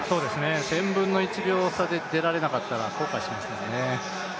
１０００秒の１秒差で出られなかった後悔しますよね。